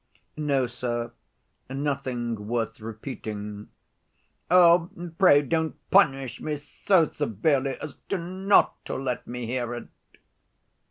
"No, sir; nothing worth repeating." "Oh, pray don't punish me so severely as not to let me hear it!"